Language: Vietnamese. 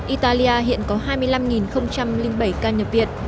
italia hiện có hai mươi năm bảy ca nhập viện